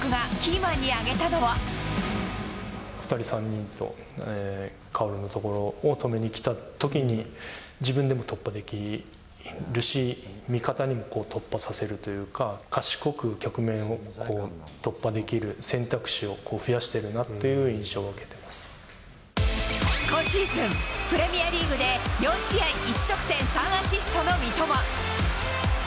前、２人、３人と、薫のところを止めにきたときに、自分でも突破できるし、味方にも突破させるというか、賢く局面を突破できる選択肢を増やしてるなっていう印象を受けて今シーズン、プレミアリーグで、４試合１得点３アシストの三笘。